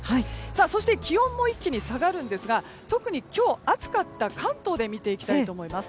そして気温も一気に下がるんですが特に今日、暑かった関東で見ていきたいと思います。